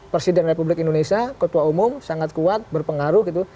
presiden republik indonesia ketua umum sangat kuat berpengaruh gitu